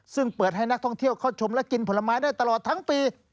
ซึ่งเปิดให้นักท่องเที่ยวเข้าชมและกินผลไม้ได้ตลอดทั้งปี